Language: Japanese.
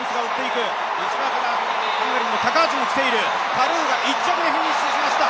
タルーが１着でフィニッシュしました。